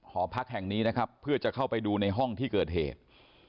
หอพักแห่งนี้นะครับเพื่อจะเข้าไปดูในห้องที่เกิดเหตุ